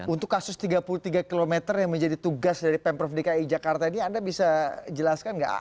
untuk kasus tiga puluh tiga km yang menjadi tugas dari pemprov dki jakarta ini anda bisa jelaskan nggak